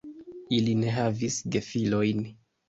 Ili ne havis gefilojn.